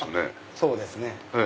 そうですね。